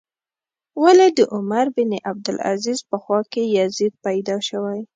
ولې د عمر بن عبدالعزیز په خوا کې یزید پیدا شوی.